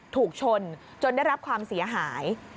ถูกชนจนได้รับความเสียหาย